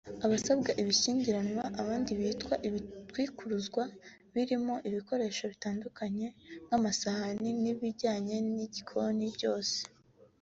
aba asabwa ibishyingiranwa (abandi bita ibitwikuruzwa) birimo ibikoresho bitandukanye nk’amasahani n’ibijyana n’igikoni byose